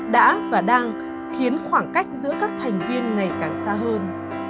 đã và đang khiến khoảng cách giữa các thành viên ngày càng xa hơn